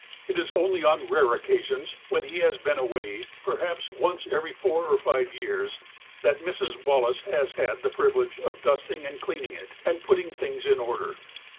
It is only on rare occasions, when he has been away, perhaps once every four or five years, that Mrs. Wallace has had the privilege of dusting and cleaning it, and putting things in order.